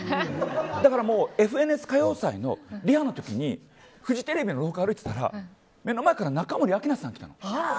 だから「ＦＮＳ歌謡祭」のリハの時にフジテレビの廊下歩いてたら目の前から中森明菜さんが来たの。